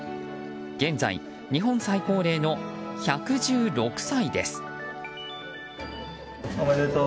現在、日本最高齢の１１６歳です。